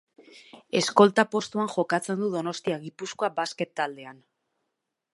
Eskolta postuan jokatzen du Donostia Gipuzkoa Basket taldean.